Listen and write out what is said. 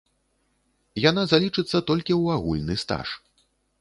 Яна залічыцца толькі ў агульны стаж.